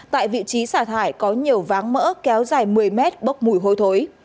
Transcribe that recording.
tại vị trí xả thải có nhiều váng mỡ kéo dài một mươi mét bốc mùi hôi thối